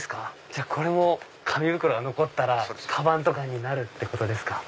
じゃあこれも紙袋が残ったらカバンとかになるってことですか。